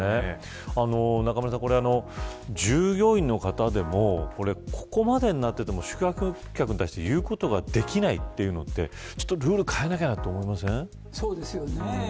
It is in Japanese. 中村さん従業員の方でもここまでになっていても宿泊客に対し言うことができないというのってルールを変えなきゃなとそうですよね。